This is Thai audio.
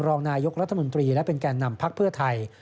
รองนายกรัฐมนตรีและเป็นแก่นำพักเพื่อไทย